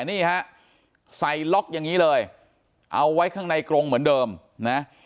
นี่ฮะใส่ล็อกอย่างนี้เลยเอาไว้ข้างในกรงเหมือนเดิมนะ